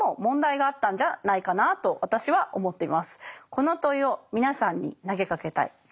この問いを皆さんに投げかけたい。